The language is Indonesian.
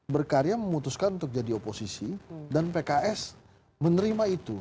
berkarya memutuskan untuk jadi oposisi dan pks menerima itu